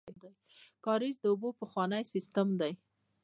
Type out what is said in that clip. کاریز د اوبو پخوانی سیستم دی